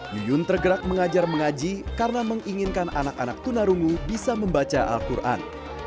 yuyun tergerak mengajar mengaji karena menginginkan anak anak tunarungu bisa membaca al quran